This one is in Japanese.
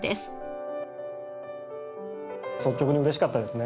率直に嬉しかったですね。